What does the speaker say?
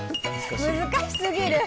難しすぎる。